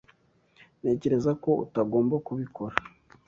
Ntekereza ko utagomba kubikora.